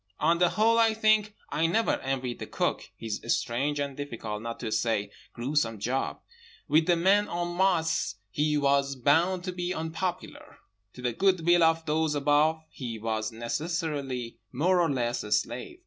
On the whole, I think I never envied the Cook his strange and difficult, not to say gruesome, job. With the men en masse he was bound to be unpopular. To the good will of those above he was necessarily more or less a slave.